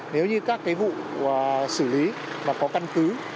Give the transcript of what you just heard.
nếu như các cái vụ xử lý mà có căn cứ